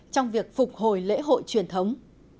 trong việc phục hồi lễ hội truyền thống